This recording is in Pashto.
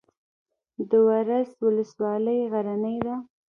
د ورس ولسوالۍ غرنۍ ده